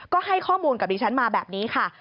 ก็ให้ข้อมูลกับดิฉันมาแบบนี้ค่ะ